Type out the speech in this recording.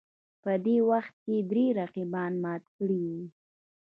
په دې وخت کې درې رقیبان مات کړي وو